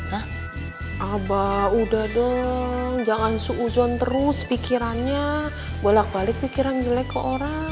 ya abah udah dong jangan seuzon terus pikirannya bolak balik pikiran jelek ke orang